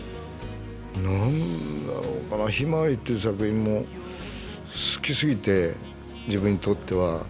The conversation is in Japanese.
何だろうか「ひまわり」という作品も好きすぎて自分にとっては。